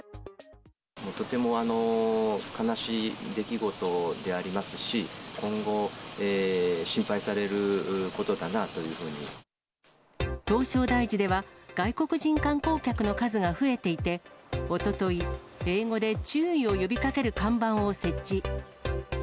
とても悲しい出来事でありますし、今後、唐招提寺では、外国人観光客の数が増えていて、おととい、英語で注意を呼びかける看板を設置。